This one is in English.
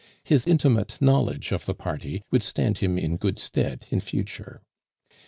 His intimate knowledge of the party would stand him in good stead in future.